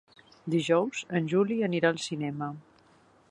Dijous en Juli anirà al cinema.